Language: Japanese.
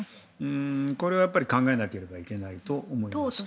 これは考えなければいけないと思います。